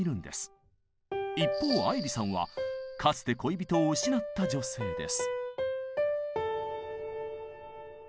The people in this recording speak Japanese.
一方愛理さんはかつて恋人を失った女性です。